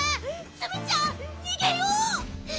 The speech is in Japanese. ツムちゃんにげよう！